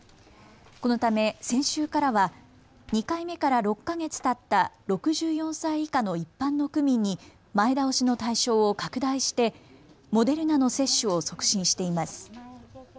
このため先週からは２回目から６か月たった６４歳以下の一般の区民に前倒しの対象を拡大してモデルナの接種を促進しています。